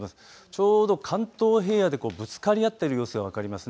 ちょうど関東平野でぶつかり合っている様子が分かります。